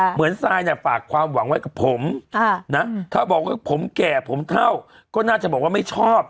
ทรายเนี่ยฝากความหวังไว้กับผมนะถ้าบอกว่าผมแก่ผมเท่าก็น่าจะบอกว่าไม่ชอบ